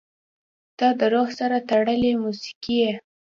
• ته د روح سره تړلې موسیقي یې.